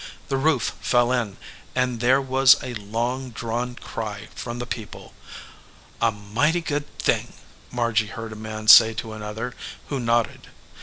The roof fell in, and there was\ a long drawn cry from the people. "A mighty good thing," Margy heard a man say to another, who nodded.